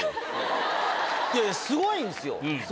いやすごいんですよ。